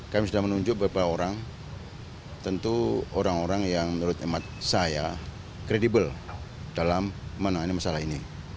kami sudah menunjuk beberapa orang tentu orang orang yang menurut emat saya kredibel dalam menangani masalah ini